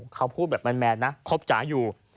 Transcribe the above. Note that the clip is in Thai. เขาพูดแบบแมนนะคบจ๋าอยู่